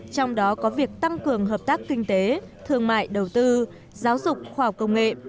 trong đó có việc tăng cường hợp tác kinh tế thương mại đầu tư giáo dục khoa học công nghệ